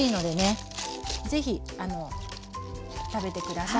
ぜひ食べて下さい。